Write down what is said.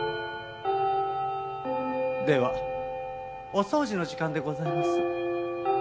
ではお掃除の時間でございます。